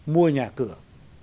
mua nhà cửa